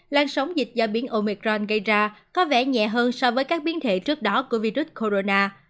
lan sóng dịch do biến omicron gây ra có vẻ nhẹ hơn so với các biến thể trước đó của virus corona